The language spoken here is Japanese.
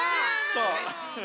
そう！